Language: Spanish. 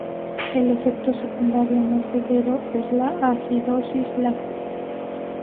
El efecto secundario más severo es la acidosis láctica.